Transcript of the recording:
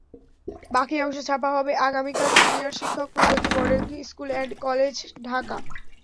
বাকি অংশ ছাপা হবে আগামীকালসিনিয়র শিক্ষক, Pragati model school and college, Dhaka.